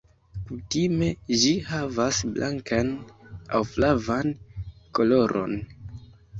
Kutime ĝi havas blankan aŭ flavan koloron.